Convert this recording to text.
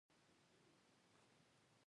دا په نژدې وختونو کې نه کېدل